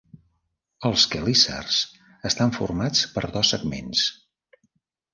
Els quelícers estan formats per dos segments.